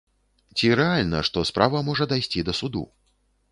Ці рэальна, што справа можа дайсці да суду?